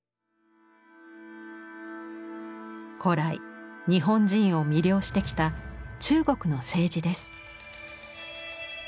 古来日本人を魅了してきた中国の青磁です。